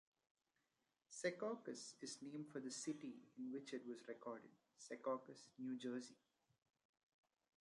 "Secaucus" is named for the city in which it was recorded, Secaucus, New Jersey.